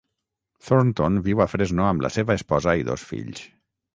Thornton viu a Fresno amb la seva esposa i dos fills.